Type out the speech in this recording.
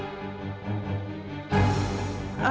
buktinya ibu mau datang ke sini